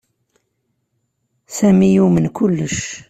Sami yumen kullec.